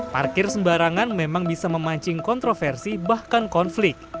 parkir sembarangan memang bisa memancing kontroversi bahkan konflik